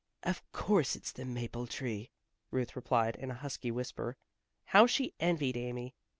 "Of course it's the maple tree," Ruth replied in a husky whisper. How she envied Amy.